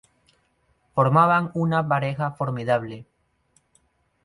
Formaban una pareja formidable.